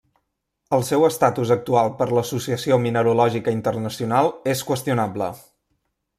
El seu estatus actual per l'Associació Mineralògica Internacional és qüestionable.